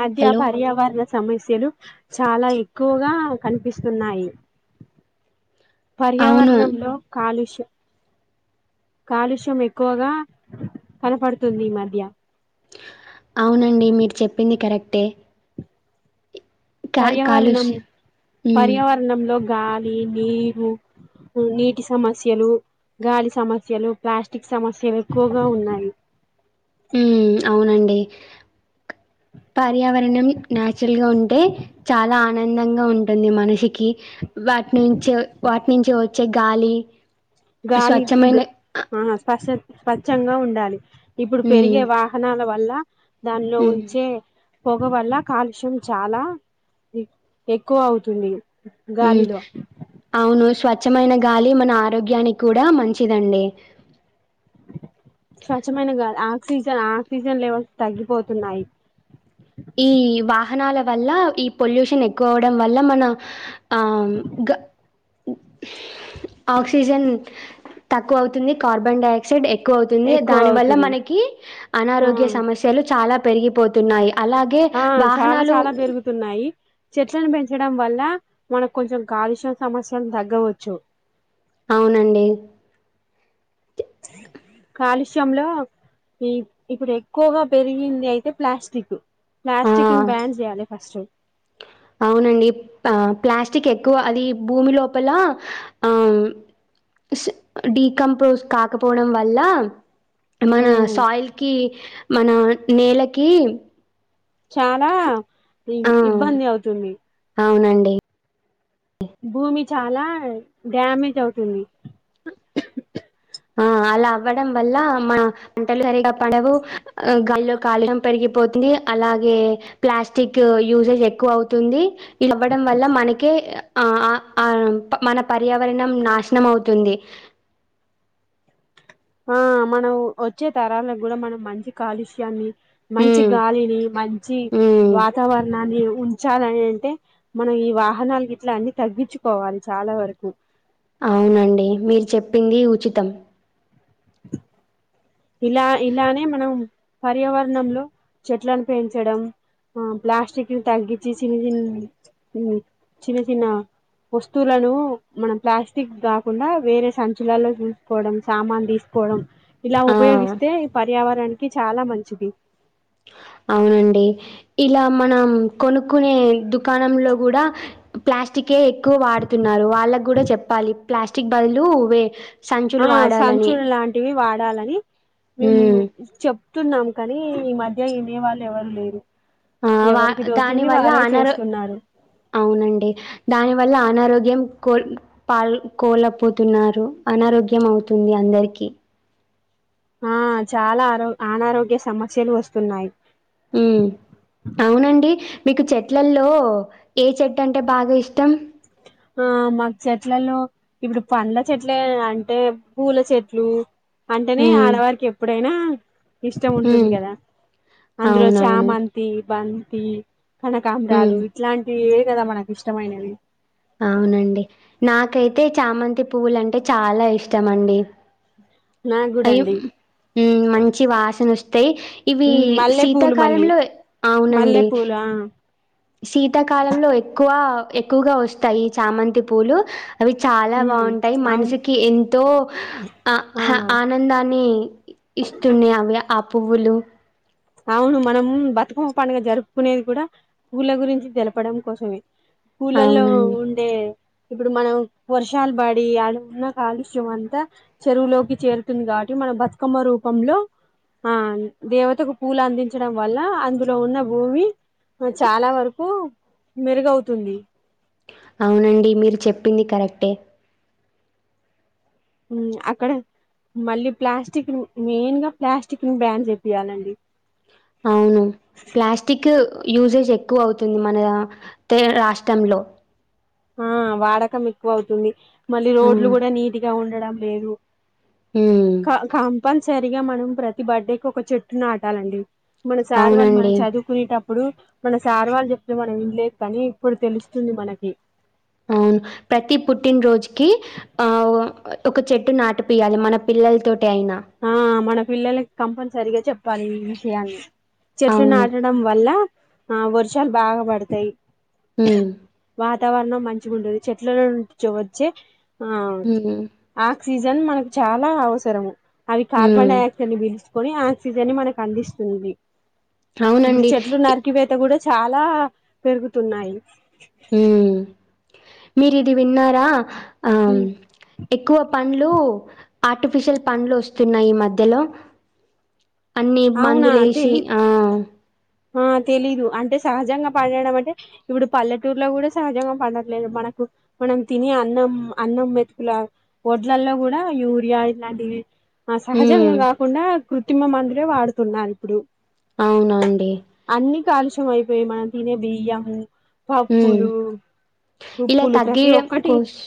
అ hello అధ్యాప అర్యావారన్న సమేశ స్యలు చాలా ఎక్కువగా కనిపిస్తున్నాయి అవును పర్యావరణంలో కాలుష్యం కాలుష్యం ఎక్కువగా కనపడుతుంది ఈ మధ్య అవునండి మీరు చెప్పింది కరెక్టే కా పర్యావరణం కాలుష్య హ్మ్ పర్యావరణం లో గాలి నీరు నీటి సమస్యలు గాలి సమస్యలు ప్లాస్టిక్ సమస్యలు ఎక్కువగా ఉన్నాయి. ఊ అవునండి కా పర్యావరణం నాచురల్ గా ఉంటే చాలా ఆనందంగా ఉంటుంది మనిషికి వాటి నుంచి వాటి నుంచి వచ్చే గాలి గాలి స్వచ్ఛమైన ఆ [unintelligible] స్వచ్చ్చంగా ఉండాలి ఇప్పుడు హ్మ్ పెరిగే వాహనాల వల్ల లా దానిలో హ్మ్ ఉంచే పొగ వల్ల కాలుష్యం చాలా ఎక్ ఎక్కువ అవుతుంది. ఉ గాలిలో అవును స్వాత్ స్వచ్చమైన గాలి మన ఆరోగ్యానికి కూడా మంచిదండి. స్వచ్ఛమైన గాల ఆక్సిజన్ ఆక్సిజన్ లెవెల్స్ తగ్గిపోతున్నాయి. ఈ వాహనాల వల్ల ఈ పొల్యూషన్ ఎక్కువ అవ్వడం వల్ల మన ఆ గ ఆక్సిజన్ తక్కువ అవుతుంది కార్బన్ డై ఆక్సైడ్ ఎక్ ఎక్కువ అవుతుంది ఎక్కువ దాని వల్ల అవుతుంది మనకి ఆ అనారోగ్య సమస్యలు చాలా పెరిగిపోతున్నాయి అలాగే ఆ చాలా వాహనాలు చాలా పెరుగుతున్నాయి చెట్లను పెంచడం వల్ల మనకు కొంచెం గాలుష్యం సమస్యలు తగ్గవచ్చు. అవునండి కాలుష్యంలో ఈ ఇప్పుడు ఎక్కువగా పెరిగింది అయితే ప్లాస్టికు ఆ ప్లాస్టిక్ ని బ్యాన్ చేయాలే ఫస్టు అవునండి ఆ ప్లాస్టిక్ ఎక్కువ అది భూమి లోపల ఆ డీకంపోజ్ కాకపోవడం వల్ల మన ఉమ్ సాయిల్ కి మన నేలకి చాలా ఇ ఆ ఇబ్బంది అవుతుంది అవునండి భూమి చాలా డ్యామేజ్ అవుతుంది ఆ అలా అవ్వడం వల్ల మన పంటలు సరిగా పడవు గలో కాలుం పెరిగిపోతుంది అలాగే ప్లాస్టిక్ యూసేజ్ ఎక్కువ అవుతుంది ఇవ్వడం వల్ల మనకే ఆ ఆ ఆ మన పర్యావరణం నాశనం అవుతుంది ఆ మనం వచ్చే తరాలకు కూడా మనం మంచి కాలుష్యాన్ని మంచి ఉమ్ గాలిని మంచి ఉమ్ వాతావరణాన్ని ఉంచాలని అంటే మనం ఈ వాహనాలు ఇట్లా అన్ని తగ్గించుకోవాలి చాలా వరకు అవునండి మీరు చెప్పింది ఉచితం ఇలా ఇలానే మనం పర్యావరణంలో చెట్లను పెంచడం ఆ ప్లాస్టిక్ తగ్గించి చిన్న చిన్న చిన్న చిన్న వస్తువులను మనం ప్లాస్టిక్ కాకుండా వేరే సంచలాల్లో చూసుకోవడం సామాన్ తీసుకోవడం ఇలా ఆ ఉపయోగిస్తే ఈ పర్యావరణనికి చాలా మంచిది. అవునండి ఇలా మనం కొనుక్కునే దుకాణంలో కూడా ప్లాస్టిక్ఎక్కువ వాడుతున్నారు వాళ్ళకు కూడా చెప్పాలి ప్లాస్టిక్ బదులు వే ఆ సంచులు వాడాలని సంచుల లాంటివి వాడాలని మేము ఉమ్ చెప్. చున్నాం కానీ ఈ మధ్య వినేవాళ్ళు ఎవరు లేరు. ఆ వా ఎవరికి అ దాని దోచింది వల్ల వారే అనరొ చేస్తున్నారు అవునండి దాని వల్ల అ. అనారోగ్యం కోల్ పాల్ కోలపోతున్నారు అనారోగ్యం అవుతుంది అందరికి ఆ చాలా ఆరో అనారోగ్య సమస్యలు వొస్తున్నాయి. ఉమ్ అవునండి. మీకు చెట్లల్లో ఓ ఏ చెట్టు అంటే బాగా ఇష్టం. ఆ మాకు చెట్లలో ఇప్పుడు పండ్ల చెట్లే అంటే పూల చెట్లు. అంటేనే ఉమ్ ఆడవారికి ఎప్పుడైనా. ఉ. ఇష్టం ఉమ్ ముంటుంది గదా అందులో అవునవును చామంతి బంత్. ఈ. ఉమ్ కనకాంబ్రాలు ఇట్లాంటియే కదా మన ఇష్టమైనది. అవునండి నాకై. అయితే చామంతి పువ్వులు అంటే చాలా ఇష్టమండి. నాకు కూడా అయ్యో అండి ఉమ్ మంచి వాసను ఓస్. తేయి ఇవి మల్లె పూలు మళ్ళీ శీతాకాలంలో ఎ మల్లె అవునండి పూలు ఆ శీతాకాలంలో ఎక్కువా. ఎక్కువగా వస్తాయి చామంతి పూలు అవి చాలా ఉమ్, బాగుంటాయి అవును మనిషికి ఎంతో. ఆ హ్య ఆనందాన్ని ఇస్తున్యా అవ్య కాక్ పువ్వులు అవును మనం బతుకమ్మ పండుగ జరుపుకునేది కూడా పూల గురించి తెలపడం కోసమే పూలల్లో అవునండి ఉండే ఇప్పుడు మనం వర్షాలు పడి యాడున్న కాలుష్యం అంతా చెరువులోకి చేరుతుంది కాబట్టి మనమ్ బతుకమ్మ రూపంలో ఆ దేవతకు పూలు అందించడం వల్ల అందులో ఉన్న భూమి చాలా వరకు మెరుగవుతుంది. అవునండి మీరు చెప్పింది కరెక్టే ఉ అక్కడ మళ్ళీ ప్లాస్టిక్ మెయిన్ గా ప్లాస్టిక్ ని బ్యాండ్ చేపియాలండి. అవును ప్లాస్టికు లుసే చెయ్ క్కువ అవుతుంది మన తే రాష్ట్రంలో ఆ వాడకం ఎక్కువ అవుతుంది. మళ్ళీ ఆ రోడ్లు కూడా నీట్ గా ఉం డం లేదు ఉమ్ కా కామ్ తప్పనిసరిగా మనం ప్రతి బర్త్డేకి ఒక చెట్టు నాటాలండి. మనసు సార్ వాల్ మనం అవునండి చదువుకునేటప్ ఇప్పుడు మన సార్ వాళ్ళు చెప్తే మనం ఇంలేదు కానీ ఇప్పుడు తెలుస్తుంది మనకి అవును ప్రతి పుట్టినరోజుకి ఆ ఒక చెట్టు నాటిపియాలి మన పిల్లలతో చైనా పిల్లకి కంపల్సరిగా చెప్ప ప్పాలి ఈ విషయాలు చెట్లు అవును నాటడం వల్ల ఆ వర్షాలు బాగా పడతాయి ఉమ్ వాతావరణం మంచిగ ఉంటది చెట్లలలోంచి వచ్చే హ్మ్ ఆ సీజన్ మనకు చాలా అవసరము అవి కార్బన్ హ్మ్. డైయాక్సైడ్ ని పీల్ కొని ఆక్సిజన్ మనకు అందిస్తుంది ఇప్పుడు అవునండి. చెట్లు ఇ నరికిపోత కూడా చాలా పెరుగుతున్నాయి హ్మ్. మీరిది విన్నారా ఆహ్, ఉమ్ ఎక్కువ పండ్లు ఆర్టిఫిషియల్ పండ్లు వస్తున్నాయి ఈ మధ్యలో అన్ని అవునా మందులు వేసి తెలీదు ఆ ఆ తెలీదు అంటే సహజంగా పండడం అంటే ఇప్పుడు పల్లెటూరులో కూడా సహజంగా పండట్లేదు మనకు మనం తినే అన్నం అన్నం మెతుకుల ఒఓడ్లల్లో కూడా యూరియా ఇట్లాంటివి ఆ హ్మ్. సహజంగా కదా కొడా కృత్రిమ మ ఇ వాడుతున్నారు ఇప్పుడు అవునండి అన్ని కాలుష్యం అయిపోయి మనం తినేవి బ హ్మ్. పప్పులు ఇలా ఉప్పులు ప్రతి తగ్గీయడం ఒక్కటి కోష్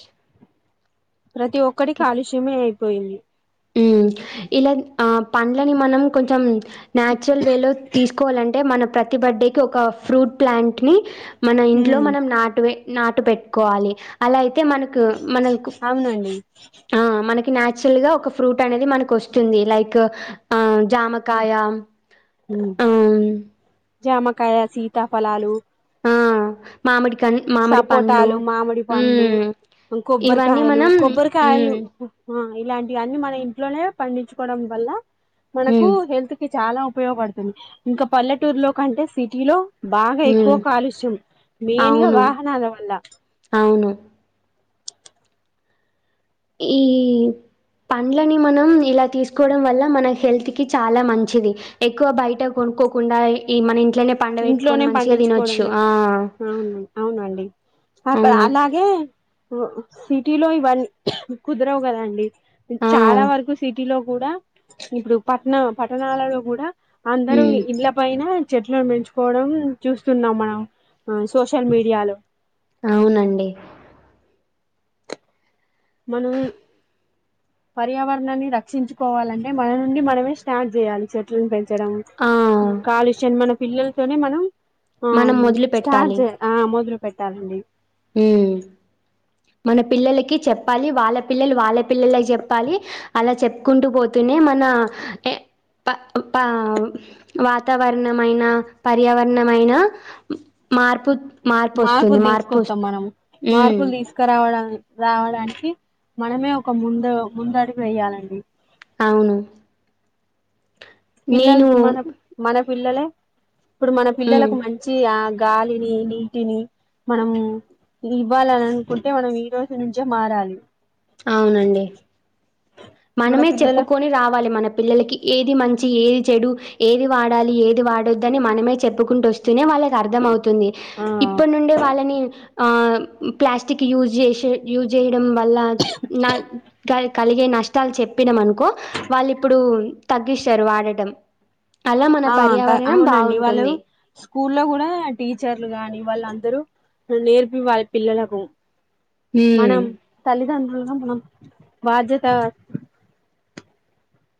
ప్రతి ఒక్కటి కాలుష్యమే అయిపోయింది ఉమ్ ఇలా ఆ పండ్లని మనం కొంచెం నాచురల్ వే లో తీసుకోవాలంటే మన ప్రతి బర్డే కి ఒక ఫ్రూట్ ప్లాంట్ నీ ఒకటిని మన ఇంట్లో హ్మ్. మనం నాటువే నాటు పెట్టుకోవాలి అలా పెట్టు అయితే మనకు మనక్ అవునండి ఆ మన నాచురల్ గా ఒక ఫ్రూట్ అనేది మనకు వస్తుంది లైక్ ఆ జామకాయా జమకాయ సీతాఫలాలు ఉమ్ మామిడి కన్ మామిడి పండ్లు సపోటాలు మామిడి పండ్లు ఉమ్ ఇవన్నీ కొబ్బరికాయలు మనం కొబ్బరికాయలు ఉమ్ ఇలాంటివన్ని మన ఇంట్లోనే పండించుకోవడం వల్ల మనకు ఉమ్ హెల్త్కి చాలా ఉపయోగపడుతుంది ఇంకా పల్లెటూరు లో కంటే సిటీలో బాగా ఎక్కువ ఉమ్ కా కాలుష్యం మెయిన్ గా అవును వాహనాల వల్ల అవును ఈ పండ్లని మనం ఇలా తీసుకోవడం వల్ల మన హెల్త్ కి చాలా మంచిది ఎక్కువ బయట కొనుక్కోకుండా ఈ మన ఇంట్లోనే పండబెట్టుకొని ఇంట్లోనే మంచిగా పండించుకోవడం తినొచ్చు ఆ అవును అవునండి అక్కడ అవును అలాగే సిటీలో ఇవన్నీ కుదరవు కదండి ఆ చాలా వరకు సిటీలో కూడా ఇప్పుడు పట్టణ పట్టణాలలో కూడా అందరు ఉమ్ ఇళ్ల పైన చెట్లలను మంచి కోవడం చూస్తున్నాం మనం సోషల్ మీడియాలో అవునండి మనం పర్యావరణాన్ని రక్షించుకోవాలంటే మన నుండి మనమే స్టార్ట్ చేయాలి చెట్లను పెంచ డం ఆ కాలుష్యం మనం పిల్లలతోనే మనం ఆ మనం మొదలు స్టార్జే ఆ మొద పెట్టాలండి హుమ్ మన పిల్లలకి చెప్పాలి వాళ్ళ పిల్లలు వాళ్ళ పిల్లలకి చెప్పాలి అలా చెప్పుకుంటూ పోతూనే మన వాతావరణమైన పర్యావరణమైన మార్పు మార్పు మార్పొస్తుంది తీసుకొస్తాం మార్పొస్తుంది మనం మార్పులు తీస్కరావడానికి రావడానికి మనమే ఒక ముందు ముందడుగు వేయాలండి అవును పిల్లలు నేను మన మన పిల్లలే ఇప్పుడు మన ఉమ్ పిల్లలకు మంచి ఆ గాలిని నీటిని మనం ఇది ఇవ్వాలని అనుకుంటే మనం ఈ రోజు నుంచే మారాలి అవునండి మన మనమే పిల్లలకు చెప్పుకొని రావాలి మన పిల్లలకి ఏది మంచి ఏది చెడు ఏది వాడాలి ఏది వాడొద్దని మనమే చెప్పుకుంటూ వస్తూనే వాళ్ళ కి అర్థమవుతుంది ఆ ఇప్పటి నుండే వాళ్ళని ఆ ప్లాస్టిక్ యూస్ జేసే యూజ్ చేయడం వల్ల నా కలిగే న కష్టాలు చెప్పినాం అనుకో వాళ్ళు ఇప్పుడు తగ్గిస్తారు వాడటం అలా మన ఆ పర్యావరణం అవునండి వాళ్ళు బాగుంటుంది స్కూల్లో కూడా టీచర్లు గాని వాళ్లందరూ నేర్పి వాళ్ళ పిల్లలకు హ్మ్ మనం తల్లిదం బాధ్యత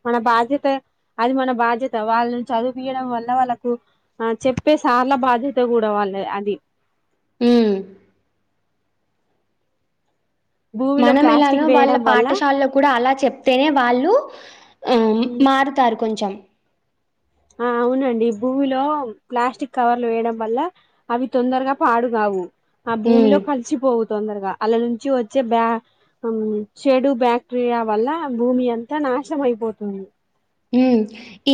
మన బాధ్యత అది మన బాధ్యత వాళ్ళని చదుపియడం వల్ల వాళ్ళకు ఆ చెప్పే సార్ల బాధ్యత కూడా వాళ్ళ అది హూమ్ భూమిలో మనం ఎలానో ప్లాస్టిక్ వాళ్ళ వేయడం వల్ల పాఠశాలలో కూడా అలా చెప్తేనే వాళ్ళు ఆ మారుతారు కొంచెం ఆ అవునండి భూమిలో ప్లాస్టిక్ కవర్లు వేయడం వల్ల అవి తొందరగా పాడుగావు ఆ భూమిలో హ్మ్ కలిసిపోవు తొందరగా ఆళ్ల నుంచి వచ్చే బ్యా చెడు బ్యాక్టీరియా వల్ల భూమి అంతా నాశనమయిపోతుంది ఊమ్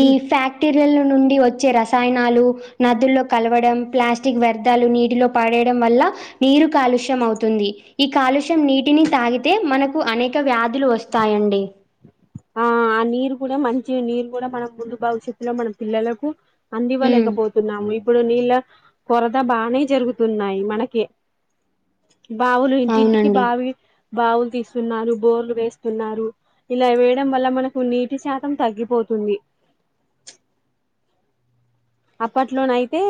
ఈ ఫ్యాక్టరీ ల నుండి వచ్చే రసాయనాలు నదుల్లో కలవడం ప్లాస్టిక్ వ్యర్థాలు నీటిలో పడేడం వల్ల నీరు కాలుష్యం అవుతుంది ఈ కాలుష్యం నీటిని తాగితే మనకు అనేక వ్యాధులు వస్తాయండి ఆ ఆ నీరు కూడా మంచి నీరు కూడా మన ముందు భవిష్యత్తులో మన పిల్లలకు హ్మ్. అందివ్వలేకపోతున్నాము ఇప్పుడు నీళ్ళ కొరద బానే జరుగుతున్నాయి మనకి బావులు ఇంటింటికి అవునండి. బావి బావులు తీస్తున్నారు బోర్లు వేస్తున్నారు ఇలా డం వల్ల మనకు నీటి శాతం తగ్గిపోతుంది అప్పట్లోనైతే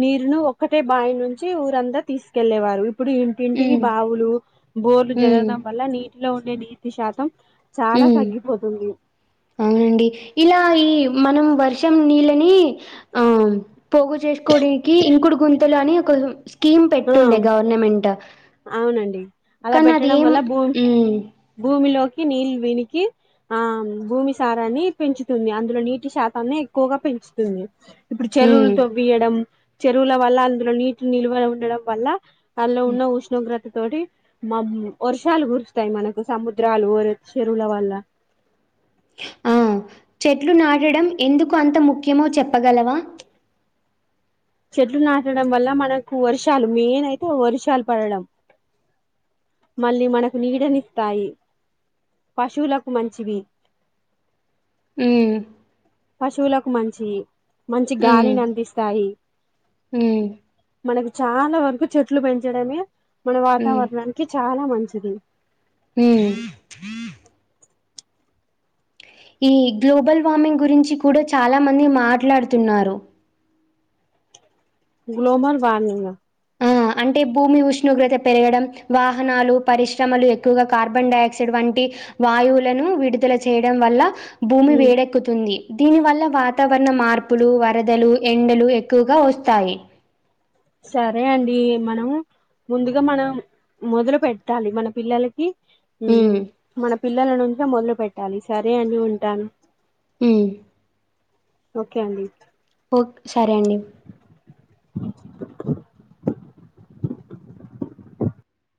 నీరును ఒక్కటే బావి నుంచి ఊరంతా తీసుకెలేవారు ఇప్పుడు ఇంటింటికి హ్మ్. బావులు బోర్లు హ్మ్. జరగడం వల్ల నీ లో ఉండే నీటి శాతం ఉ చాలా తగ్గిపోతుంది అవునండి ఇలా ఈ మనం వర్షం నీళ్ళని ఆ పోగు చేసుకోనికి ఇంకుడు గుంతలు అని ఒక స్కీమ్ ఆ పెట్టుండే గవర్నమెంట్ అవునండి అలా కానీ అది పెట్టడం ఏం నీళ్ళ వినికి ఆ భూమి సారాన్ని పెంచుతుంది అందులో నీటి శాతాన్ని ఎక్కువగా పెంచుతుంది ఇప్పుడు హ్మ్. చెరువులతో వీయడం చెరువుల వల్ల అందులో నీటి నిల్వ ఉండడం వల్ల అలా ఉన్న ఉష్ణగ తోటి మ వర్షాలు కురుస్తాయి మనకు సముద్రాలు చెరువుల వల్ల ఆ! చెట్లు నాటడం ఎందుకు అంత ముఖ్యమో చెప్పగలవా చెట్లు నాటడం వల్ల మనకు వర్షాలు మెయిన్ అయితే వర్షాలు పడడం మళ్ళీ మనకు నీడనిస్తాయి పశువులకు మంచివి మ్ పశువులకు మంచియి మంచి గాలిని అందిస్ శయి మ్ మనకి చాలా వరకు చెట్లు పెంచడమే మన వాతావరణానికి చాలా మంచిది మ్ ఈ గ్లోబల్ వార్మింగ్ గురించి కూడా చాలా మంది మాట్లాడుతున్నారు గ్లోబల్ వార్మింగ్ ఆ అంటే భూమి ఉష్ణోగ్రత పెరగడం వాహనాలు పరిశ్రమలు ఎక్కువగా కార్బన్ డైఆక్సైడ్ వంటి వాయువులను విడుదల చేయడం వల్ల భూమి ఉమ్ వేడెక్కుతుంది దీని వల్ల వాత వాతావరణ మార్పులు వరదలు ఎండలు ఎక్కువగా వస్తాయి సరే అండి మనం ముందుగా మనం మొదలు పెట్టాలి మన పిల్లలకి మ్ హ్మ్. మన పిల్లల నుంచి మొదలు పెట్టాలి సరే అండి ఉంటాను మ్ ఓకే అండి సరే అండి